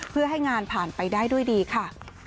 เพื่อให้งานผ่านไปได้ด้วยดีค่ะ